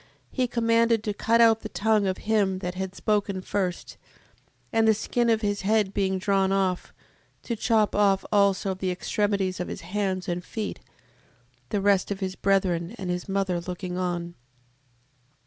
He commanded to cut out the tongue of him that had spoken first: and the skin of his head being drawn off, to chop off also the extremities of his hands and feet, the rest of his brethren and his mother looking on.